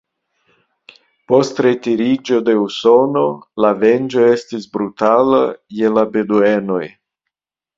Post retiriĝo de Usono, la venĝo estis brutala je la beduenoj.